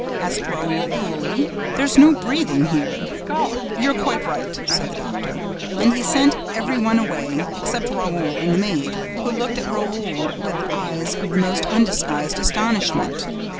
asked Raoul coolly. "There's no breathing here." "You're quite right," said the doctor. And he sent every one away, except Raoul and the maid, who looked at Raoul with eyes of the most undisguised astonishment.